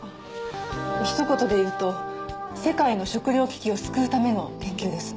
ひと言で言うと世界の食料危機を救うための研究です。